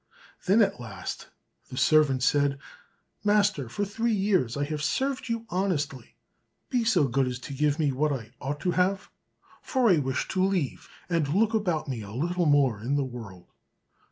Then at last the servant said, "Master, for three years I have served you honestly, be so good as to give me what I ought to have, for I wish to leave, and look about me a little more in the world."